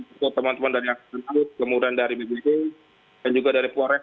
kemudian kami akan mencari teman teman dari bpp dan juga dari florex